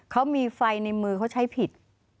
เขามีไฟในมือเขาใช้ผิด